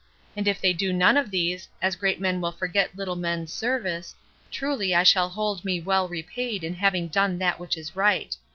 And if they do none of these, as great men will forget little men's service, truly I shall hold me well repaid in having done that which is right.